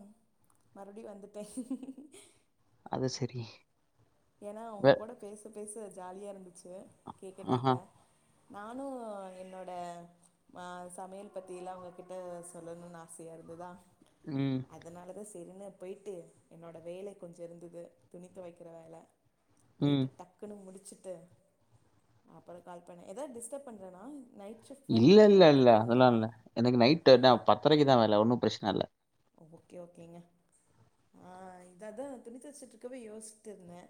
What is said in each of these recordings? ம் மறுபடியு வந்துட்டே அது சரி ஏனா அவுங்க வே கூட பேச பேச ஜாலியா இருந்து கேக்க ஆஹா. கேக்க நானு என்னோட ஆ சமையல் பத்திலா உங்ககிட்ட சொல்லணும்னு ஆசையாக இருந்ததா ம், அதனாலதா ஸ் தெரியனு போய்ட்டு என்னோட வேல கொஞ்ச இருந்தது துணித் தொவைக்கிற வேல ம். போய்ட்டு டக்குன்னு முடிச்சு த்து அப்பறம் கால் பண்ண ஏதாது டிஸ்டர்ப் பண்றேனா நைட் ஷிஃப்ட் வேற இல்ல போணு இல்ல நீங்க இல்ல அதெல்லா தூங்கணுமா இல்ல எனக்கு நைட் பத்தரக்கு தா வேல ஒன்னு பிரிஸ்னல்ல ஓகே ஓகேங்க ஆ இத தா துணி தோச்சிட்டு இருக்கவே யோசிச்சுட்டு இந்தே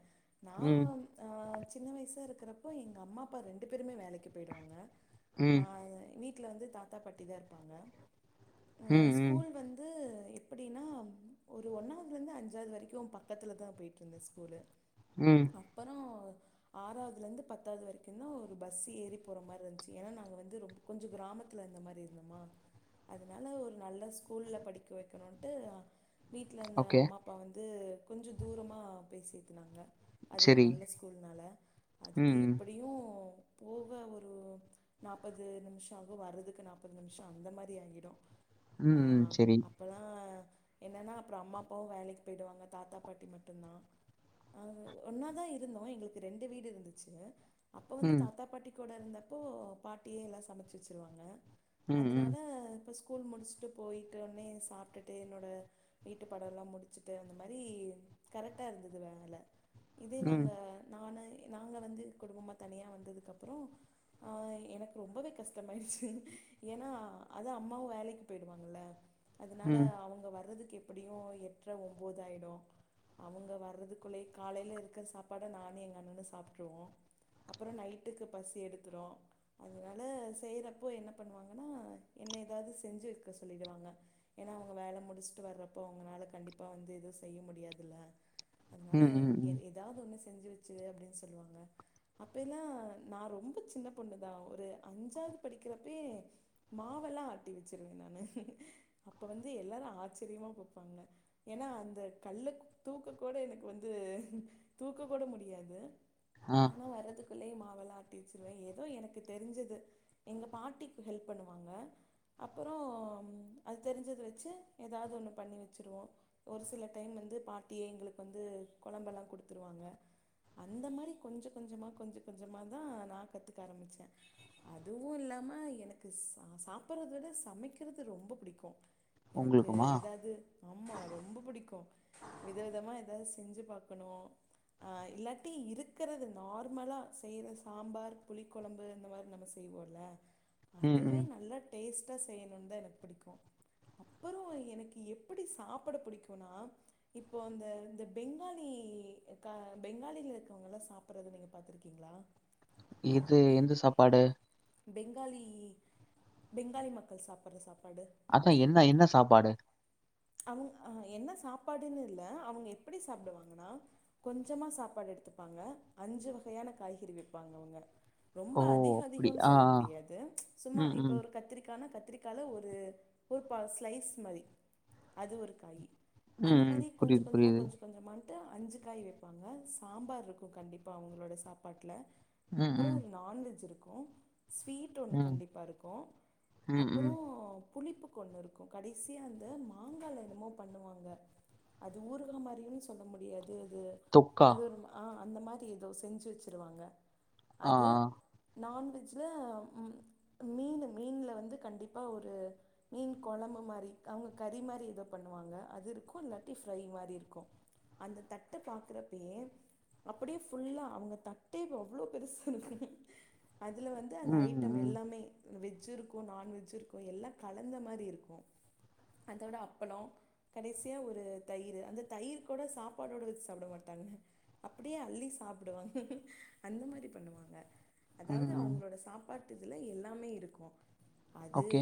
ம், நாம் அ சின்ன வயசா இருக்கிறப்போ எங்க அம்மா அப்பா ரெண்டு பேருமே வேலைக்கு போயிடுவாங்க நா ம், எ வீட் வீட்ல வந்து தாத்தா பாட்டி தா இருப்பாங்க ஆ ம், ம், ஸ்கூல் வந் எப்டின்னா ஒரு ஒன்னாதுல இருந்து அஞ்சாவது வரைக்கு பக்கத்துல தா போயிட்டு இருந்தே ஸ்கூலு ம். அப்பறம் ஆறாவதுல இருந்து பத்தாவது வரைக்கு தா ஒரு பஸ் ஏறி போற மாரி இருந்துச்சு ஏனா நாங்க வந்து ரொ கொஞ்ச கிராமத்துல இருந்த மாரி இருந்தோமா அதனால ஒரு நல்ல ஸ்கூல்ல படிக்க வக்கணுன்ட்டு வீட்ல இந்த ஓகே. அம்மா அப்பா வந்து கொஞ்ச தூரமா பேசிட்டு இருந்தாங்க அது ஒரு சரி. நல்ல ஸ்கூல்னால ம், அதுக்கு ம், எப்டியு போக ஒரு நாப்பது நிமிஷோ ஆகு வர்றதுக்கு நாப்பது நிமிஷோ அந்த மாதிரி ஆகிடு ஆ உம்ம்ம் செரி அப்பல்லா என்னன்னா அப்றோ அம்மா அப்பாவு வேலைக்கு போயிடுவாங்க தாத்தா பாட்டி மட்டு தா அ ஒன்னாதா இருந்தோ எங்களுக்கு ரெண்டு வீடு இருந்துச்சுங்க அப்பே வந்து ம், தாத்தா பாட்டி கூட இருந்தப்போ பாட்டியே எல்லா சமச்சு வச்சுருவாங்க ம், அதனால ம், இப்ப ஸ்கூல் முடிச்சுட்டு போய் உடனே சாப்ட்டுட்டு என்னோட வீட்டு பாடம்ல்லாம் முடிச்சுட்டு அந்த மாதிரி கரெக்டா இருந்தது வேல இதே ம், நாங்க நானே நாங்க வந்து குடும்பமாக தனியாக வந்ததுக்கப்றோ எனக்கு ரொம்பவே கஷ்டமாயிடுச்சு ஏன்னா அது அம்மாவு வேலைக்கு போயிடுவாங்ல அதனால ம், அவுங்க வர்றதுக்கு எப்டியு எற்ற ஒம்போதுதாயிடு அவுங்க வர்றதுக்குள்ளேயே காலேல இருக்குற சாப்பாட நானு எங்க அண்ணன்னு சாப்ட்டுருவோ அப்றோ நைட்டுக்கு பசி எடுத்ரு அதனால செய்யறப்போ என்ன பண்ணுவாங்கனா என்ன ஏதாவது செஞ்சு வெக்க சொல்லிடுவாங்க ஏன்னா அவுங்க வேல முடிச்சுட்டு வர்றப்ப அவங்கனால கண்டிப்பா வந்து எதுவு செய்ய முடியாதுல அதனால ம், ம், ம். ஏதாவது ஒன்னு செஞ்சு வச்சுரு அப்டின்னு சொல்லுவாங்க அப்ப எல்லா நா ரொம்ப சின்ன பொண்ணுதா ஒரு அஞ்சாவது படிக்கிறப்ப மாவெல்லா ஆட்டி வச்சிருவே நா அப்ப வந்து எல்லாரு ஆச்சரியமா பப்பாங்க ஏன்னா அந்த கல்ல தூக்க கூட எனக்கு வந்து தூக்க கூட முடியாது ஆ, ஆனா வர்றதுக்கு அப்பள்ளே மாவலா ஆட்டி வெச்சருவே ஏதோ எனக்கு தெரிஞ்சது எங்க பாட்டிக்கு ஹெல்ப் பண்ணுவாங்க அப்பறோ அது தெரிஞ்சத வச்சு ஏதாவது ஒன்னு பண்ணி வச்சுருவோ ஒரு சில டைம் வந்து பாட்டியே எங்களுக்கு வந்து கொழம்பெல்லா குடுத்துருவாங்க அந்த மாதிரி கொஞ்சோ கொஞ்சமா கொஞ்சோ கொஞ்சம தா நா கத்துக்க ஆரம்பிச்சே அதுவு இல்லாம எனக்கு சா சாப்பிட்றத விட சமைக்குறது ரொம்ப பிடிக்கு கு எனக்கு உங்களுக்குமா? எதாது ஆமா ரொம்ப பிடிக்கு விதவிதமா ஏதாவது செ செஞ்சு பாக்கணு ஆ இல்லாட்டி இருக்குறது நார்மலா செய்ற சாம்பார் புளி கொழம்பு இந்த மாதிரி நம்ம செய்வோல ம், அதுவே ம். நல்லா டேஸ்ட் நல்லா செய்யனு தா எனக்கு பிடிக்கு அப்பறோ எனக்கு எப்டி சாப்பிட பிடிக்குனா இப்போ அந்த இந்த பெங்காலி பெங்காலிகளுங்க இருக்காங்ள சாப்றத நீங்க பாத்துருக்கீங்ளா இது எந்த சாப்பாடு பெங்காலி பெங்காலி மக்கள் சாப்ற சாப்பாடு அதா என்ன என்ன சாப்பாடு அவுங்க ஆ என்ன சாப்பாடுன்னு இல்ல அவுங்க எப்டி சாப்டுவாங்னா கொஞ்சமா சாப்பாடு எடுத்துப்பாங்க அஞ்சு வகயான காய்கறி வப்பாங்க அவுங்க ரொம்ப ஓ! அதிக அப்படி. அதிகம்னு ஆ, சொல்ல ஆ. முடியாது சும்மா ம், இப்ப ம், ஒரு கத்திரிக்கான கத்திரி கால்ல ஒரு ஒரு பால் ஸ்லைஸ் மாரி அது ஒரு காயி ம், அந்த ம். மாரி புரியுது, கொஞ்சம் கொஞ்சமா புரியுது. கொஞ்சம் கொஞ்சமா த்த அஞ்சி காய் வைப்பாங்க சாம்பார் இருக்கும் கண்டிப்பா அவுங்களோட சாப்பாட்ல ம், அப்புறம் ம், ஒரு நான்வெஜ் இருக் ஸ்வீட் ஒன்னு ம், கண்டிப்பா இருக்கும் ம், ம். அப்புறம் புளிப்புக்கு ஒன்னு இருக்கும் கடைசியா அந்த மாங்கால என்னமோ பண்ணுவாங்க அது ஊருகா மாரினு சொல்ல முடியாது தீது தொக்கா. அது ஒரு ஆ அந்த மாரி எதோ செஞ்சி வச்சிருவாங்க ஆ, அது ஆ. நான் வெ ஆக்சுல மீனு மீன்ல வந்து கண்டிப்பா ஒரு மீன் கொழம்பு மாறி அவுங்க கறி மாரி எதோ பண்ணுவாங்க அது இருக்கும் இல்லாட்டி ஃப்ரை மாரி இருக்கும் அந்த தட்ட பாக்குறப்பேயே அப்டியே ஃபுல்லா அவங்க தட்டே அவ்ளோ பெருசா இருக்கும் அதுல வந்து அந்த ம், ம், ஐட்டம் ம். எல்லாமே வெஜ்ஜி இருக்கும் நான்வெஜ்ஜி இருக்கும் எல்லா கலந்த மாரி இருக்கும் அதோட அப்பளம் கடைசியா ஒரு தயிரு அந்த தயிர் கூட சாப்பாடோட வச்சி சாப்ட மாட்டாங்க அப்டியே அள்ளி சாப்டுவாங்க அந்த மாரி பண்ணுவாங்க ம் அதாவது ம் அவங்களோட சாப் பாட்டு இதுல எல்லாமே இருக்கும் அது ஓகே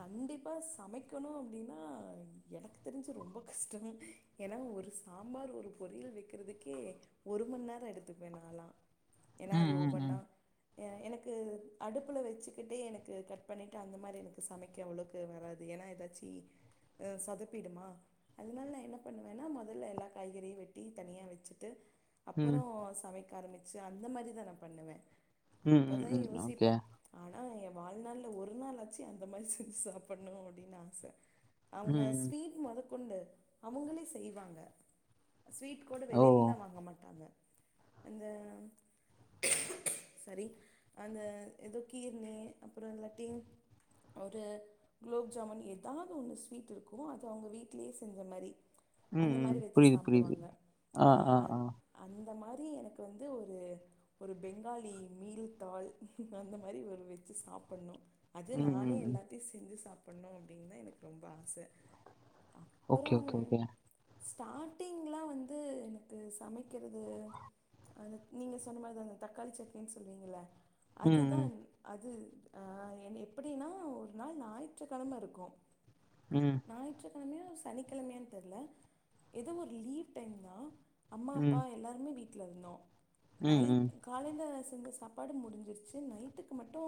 கண்டிப்பா சமைக் க்கணும் அப்டின்னா எனக்கு தெரிஞ்சி ரொம்ப கஷ்டம் ஏனா ஒரு சாம்பார் ஒரு பொரியல் வைக்கிறதுக்கே ஒரு மணி நேரம் எடுத்துக்குவேன் நாளா ஏனா ம் அது ம் ம் ஒவ்வொண்ணா எனக்கு அடுப்புல வச்சிக்கிட்டே எனக்கு கட் பண்ணிட்டு அந்த மாரி எனக்கு சமைக்க அவ்ளோக்கு வராது ஏனா எதாச் சி ஆ சொதப்பிடுமா அதனால நான் என்ன பண்ணுவேன்னா மொதல்ல எல்லா காய்கறியும் வெட்டி தனியா வச்சிட்டு ம் அப்புறம் சமைக்க ஆரம்பிச் ச அந்த மாரிதா நா பண்ணுவேன் ம் ம் ம் ஓகே ஆ என் வாழ்நாள்ல ஒரு நாள்ளாச்சி அந்த மாரி செஞ்சி சாப்பணும் அப்டின்னா அவுங்க ம் ம் ஸ்வீட் மொத கொண்டு அவங்களே செய்வாங்க ஸ்வீட் கூட ஓ வெளிலலா வாங்க மாட்டாங்க அந்த சரி அந்த எதோ கீர்னு அப்புறோ இல்லாட்டி ஒரு குலோப் ஜாமுன் எ எதாவது ஒன்னு ஸ்வீட் இருக்கு அது அவங்க வீட்லயே செஞ்ச மாரி ம் அந்த ம் மாதிரி வெச்சு புரியுது புரியுது சாப்டுவாங்க ஆ அந் அந்த மார் தி எனக்கு வந்து ஒரு ஒரு பெங்காலி மீல்த்தாள் அந்த மாரி ஒரு வெஜ்ஜு சாப்பன்னு அது ம் ம் நானே ம் எல்லாத்தையு செஞ்சு சாப் பண்ணுவோம் அப்டின்தா எனக்கு ரொம்ப ஆச ஓகே ஓகே ஓகே ஸ்டாட்டிங்கலா வந்து எனக்கு சமைக்கிறது அந்த நீங்க சொன்ன மாரிதாங்க தக்காளி சட்னின் சொல்லுவீங்கள ம் ம் அதுதான் அது ஆ என்ன எப்டின்னா ஒரு நாள் ஞாயிற்றுக்கெழம இருக் க்கு ம் ஞாயிற்று கெழமயோ சனிக்கெழமையான் தெர்ல எதோ ஒரு லீவ் டைம் தா அம்மா அப்பா ம் எல்லாருமே வீ ட்ல இருந்தோ ம் நைட் ம் காலைலஸ் செஞ்ச சாப்பாடு முடிஞ்சுருச்சு நைட்டுக்கு மட்டு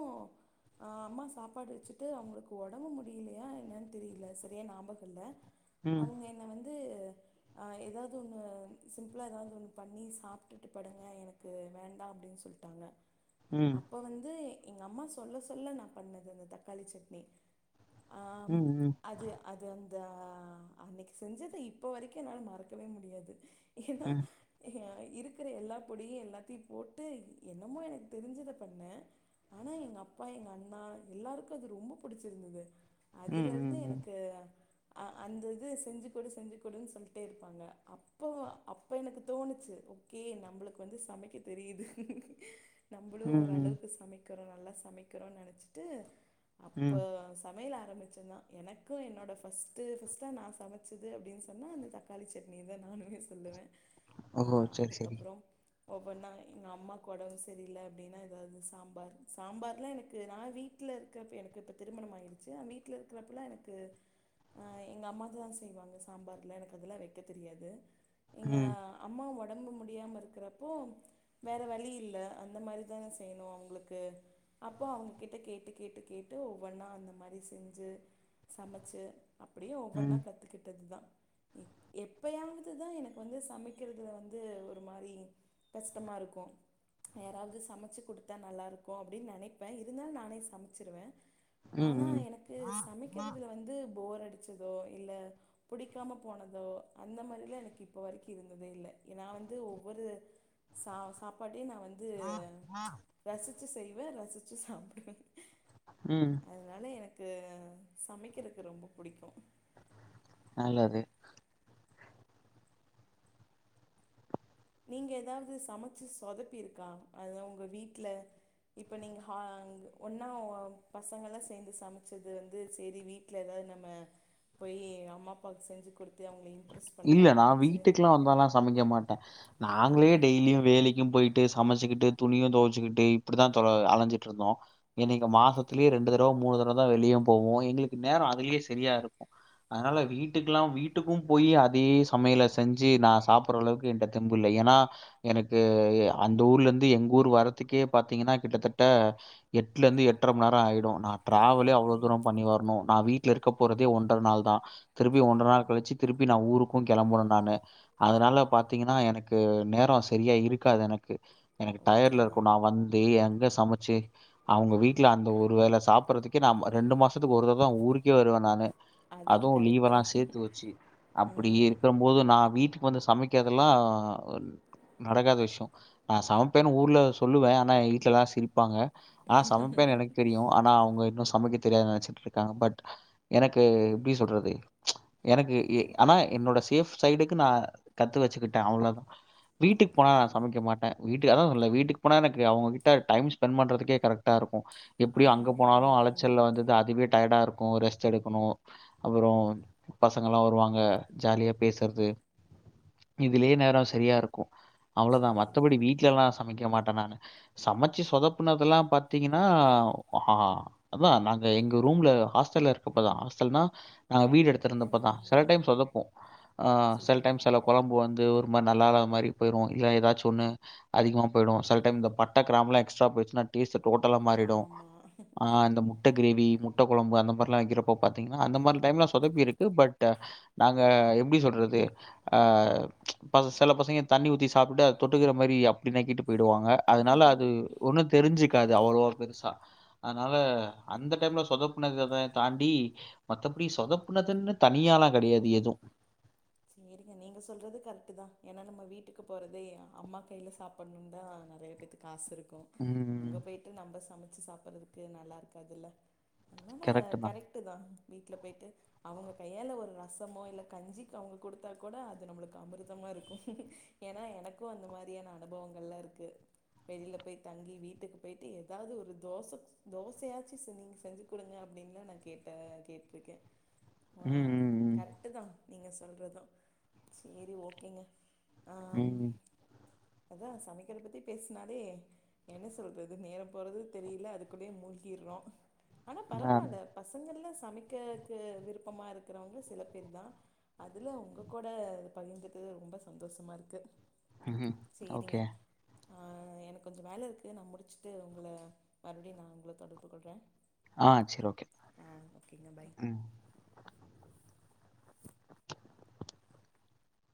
அம்மா சாப்பாடு வெச்சுட்டு அவங்களுக்கு ஒடம்பு முடி முடியலையா என்னன் தெரியில செரியா ஞாபகோ இல்ல ம் அவங்க என்ன வந்து ஆ தாவது ஒண்ணு சிம்புளா எதாவது ஒண்ணு பண்ணி சாப்டுட்டு படுங்க எனக்கு வேண்டா அப்டின் சொல்லிட்டாங்க ம் அப்போ வந்து எங்க அம்மா சொல்ல சொல்ல நா பண்ணது அந்த தக்காளி சட்னி ம் ம் தா அன்னைக்கு செஞ்சது இப்ப வரைக்கு என்னால மறக்கவே முடியாது ஏன்னா ம் ம் இருக்குற எல்லா பொடியு எல்லாத்தையு போட்டு என்னமோ எனக்கு தெருஞ்சத பண்ண ஆனா எங்க அப்பா எங்க அண்ணா எல்லாருக்கு அது ரொம்ப புடிச்சுருந்தது ம் அதுல ம் இருந்து ம் எனக்கு ஆ அந்த இது செஞ்சு குடு செஞ்சு குடுன் சொல்லிட்டே இருப்பாங்க அப்போ அப்ப எனக்கு தோணுச்சு ஓகே நம்பளுக்கு வந்து சமைக்க தெரியுது நம்பளு ம் ஓரளவுக்கு சமைக் க்குறோ நல்லா சமைக்கிறோன் நெனச்சுட்டு அப்ப ம் யலு ஆரம்பிச்ச நா. எனக்கு என்னோட ஃபஸ்ட்டு ஃபஸ்ட்டா நா சமைச்சது அப்டின்னு சொன்னா அந்த தக்காளி சட்னிதா நானுமே சொல்லுவே. ஆ ஓஹோ சேரி சேரி அதுக்கப்றோ ஒவ்வொன்னா எங்க அம்மாக்கு ஒடம்பு சரியில்ல அப்டின்னா எதாவது சாம்பார், சாம்பார்லா எனக்கு நா வீட்ல இருக்கறப்ப எனக்கு இப்ப திருமணம் ஆகிரு ச்சு நா வீட்ல இருக்கிறப்பல்லா எனக்கு ஆஎங்க அம்மாதா செய்வாங்க சாம்பார்லா எனக்கு அதெல்லா வெக்க தெரியாது. எங்க ம் அம்மா ஒ ஒடம்பு முடியாம இருக்கறப்போ வேற வழி இல்ல அந்த மாரிதான செய்யணு அவங்களுக்கு அப்போ அவங்க கிட்ட கேட்டு கேட்டு கேட்டு ஒவ்வொன்னா அந்த மா ரி செஞ்சு சமைச்சு அப்பிடியே ஒவ்வொன்னா ம் கத்துக்கிட்டதுதா. எ எப்பயாவதுதா எனக்கு வந்து சமைக்கறதுல வந்து ஒரு மாரி கஷ்டமா இருக்கு. யாராவது சமைச்சு குடுத்தா நல்லா இருக்கு அப்டின்னு நெனைப்பே இருந்தாலு நானே சமைச்சிருவே. ம் ம் னக்கு சமைக்கிறதுல வந்து போர் அடிச்சதோ இல்ல பிடிக்காம போனதோ அந்த மாரி எல்லா எனக்கு இப்ப வரைக்கு இருந்ததே இல்ல. நா வந்து ஒவ்வொரு சா சாப்பாட் டயு நா வந்து ரசிச்சி செய்வே ரசி ச்சு சாப்டுவே ம் க்கு சமைக்கிறக்கு ரொம்ப புடிக்கு. நல்லது நீங்க எதாவது சமைச்சு சொதப்பி இருக்கா? அதா உங்க வீட்ல இப்ப நீங்க ஹா ஒன்னா பசங்கல்லா சேந்து சமைச்சது வந்து சரி வீட்ல எதாவது நம்ம போயி அம்மா அப்பாவுக்கு செஞ்சு கொடுத்து அவங்கள இம் இல்ல நா வீட்டுக்கெல்லா வந்தால்லா சமைக்க மாட்டே நாங்களே ம் டெய்லியு வேலைக்கி ம் போயிட்டு சமைச்சிக்கிட்டு துணியு தொவச்சிக்கிட்டு இப்பிடிதா தொ அலைஞ்சிட்ருந்தோ. இன்னக்கி மாசத்துலயே ரெண்டு தடவ மூணு தடவதா வெளியவு போவோ எங்களுக்கு நேரரோ அதுலயே சரியா இருக்கு. அதனால வீட்டுக்கெல்லா வீட்டுக்கும் போயி அ தே சமையல செஞ்சு நா சாப்பற அளவுக்கு என்ட்ட தெம்பு இல்ல. ஏன்னா எனக்கு அந்த ஊர்ல இருந்து எங்க ஊர் வர்றதுக்கே பாத்தீங்கன்னா கிட்டத்தட்ட எட்டுல இருந்து எட்டரை மணி நேரோ ஆயிடு. நா ஐயோ டிராவலே அவ்ளோ ம் தூரம் பண்ணி வரணு நா வீட் ல இருக்கப் போறதே ஒன்ர நாள்தா திருப்பியு ஒன்ர நாள் ம் கழிச்சி திருப்பி நா ஊரு க்கு கெளம்பணு நானு. அதனால பாத்தீங்கன்னா எனக்கு நேரோ சரியா இருக்காது எனக்கு. எனக்கு டடேட்ல ஓகேங்க இருக்கு நா வந்து எங்க சமைச் சு அவங்க வீட்ல அந்த ஒரு வேள சாப்பட்றதுக்கே நா ரெண்டு மா சத்துக்கு ஒரு தடவதா ஊருக்கே வருவே நானு அதுவும் அதுவு கரெக்டு லீவெல்லா தான் சேத்து வச்சு அ ம் க்கும்போது நா வீட்டுக்கு வந்து சம மிக்ககெதும நடக்காத விஷ்யோ நா சமைப்பேன்னு ஊர்ல சொல்லுவே ஆனா வீட்லெல்லா சிரிப்பாங்க நா சமைப்பேன் எனக்கு தெரியு ஆனா அவுங்க இன்னு சொ சமைக்க தெரியாது நெனச்சுட்டு இருக்காங்க பட் எனக்கு எப்பிடி சொல்றது எனக்கு ஆனா என்னோட சேஃப் சைடுக்கு நா கத்து வச்சுக்கிட்டே அவ்ளோ வீட்டுக்கு ஓகே போனா நா ஓகேங்க சமைக்கமாட்டே வீட் க் அதா சொல்ல வீட்டுக்கு போனா எனக்கு அவுங்ககிட்ட டைம் ஸ்பெண்ட் பண்றதுக்கே கரெக்டா இருக்கு எப்பிடியு அங்க ஆமாம் போனாலு ம் அலைச்சல் வந்தது அதுவே டயர்டா இருக்கு ரெஸ்ட் எடுக்கணு அப்புறோ பசங்கல்லா வருவாங் ங்க ஜாலியா பேசுறது இதுலியே நேரோ செரியா இருக்கு அவ்ளோதா சரிங்க மத்தபடி வீட்லா எல்லா சமைக்க மாட்டே நானு சமைச்சி சொதப்புனது எல்லா பாத்தீங்கன்னா ஆ அதா நாங்க எங்க ரூம்ல ஹாஸ்டல்ல இருக்கப்பதா ஹாஸ்டல்னா ஆ வீடு எடுத்திருந்தப்பதா ம் செல ம் டைம்சொதப்பு ஆ செல சரிங்க டைம் செல கொழம்பு வந் இது ஒரு மாரி நல்லாதா மாரி போயிரு இல்ல ஏதாச்சு ஒன்னு அதிகமா போயிடு செல டைம் இந்த பட்டா கிராம்புலா எக்ஸ்ட்ரா போய்ச்சின்னா டேஸ்ட் டோட்டலா மாறிடு ஆமாம் ஆ அந்த முட்ட கிரேவி முட்ட கொழம்பு அந்த மாரில்லா வக்கிறப்ப பாத்தீங்கன்னா அந்த மாரி டைம்லா சொதப்பி இருக்கு பட் த நாங்க எப்பிடி சொல்றது ஆ ப சில பசங்க தண்ணி ஊத்தி சாப்புட்டு அத தொட்டுக்கிற மாரி அப்பிடி நக்கிட்டு போய்டுவாங்க அதனால அது ஒன்னு தெரிஞ்சுக்கா த் அவ்ளோ பெருசா அதனால அந்த டைம்ல சொதப்புனத தாண்டி மத்தபடி சொதப்புனதுன் தனியாலா கெடையாது எது சேரிங்க நீங்க சொல்றது கரெக்ட்தா ஏன்னா நம்ம வீட்டுக்கு போறதே அம்மா கையில சாப்புணுதா நெறைய பேத்துக்கு காசு இருக் ம். அங்க போயிட்டு நம்ப சமைக் சாப்பறதுக்கு நல்லா இருக்காதுல்ல அ கரெக்ட்டு தான். கரெக்ட்தா வீட்ல போய்ட்டு அவுங்க கையால ஒரு ரசமோ இல்ல கஞ்சி அவுங்க கொடுத்தா கூட அது நம்மளுக்கு அமிர்தமாரி இருக்கு ஏன்னா எனக்கு அந்த மாரியான அனுபவங்கள் எல்லா இருக்கு வெளியில போயி தங்கி வீட்டுக்கு போயிட்டு ஏதாவது ஒரு தோச தோசையாச்சி நீங்க செஞ்சு குடுங்க அப்பிடின்லா நா கேட்ட கேட்டிருக்கே ஆ ம், ம், கரெட்தா நீங்க சொல்றது சேரி ஓகேங்க ம். ஆம் ம். அதா சமைக்கற பத்தி பேஷ்னாலே என்ன சொல்றது நேரோ போறது தெரியல அதுக்குள்ளயே மூழ்கிறோ ஆனா ஆ. பரவால்ல பசங்கெல்லா சமைக்குறக்கு விருப்பமா இருக்கிறவங்க சில பேர்தா அதுல உங்ககூட பகிர்ந்துகிறது ரொம்ப சந்தோஷமா இருக்கு ம்ஹும் சேரிங்க ஓகே ஆ எனக்கு கொஞ்சோ வேல இருக்கு நா முடிச்சுட்டு உங்கள மறுபடியு நா உங்கள தொடர்பு கொள்றே. ஆ சேரி ஓகே ஆ ஓகேங்க பாய் ம்